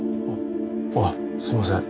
あっすいません。